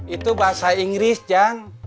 itu bahasa inggris jang